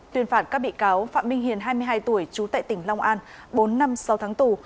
tuyên phạt các bị cáo phạm minh hiền hai mươi hai tuổi trú tại tỉnh long an bốn năm sáu tháng tù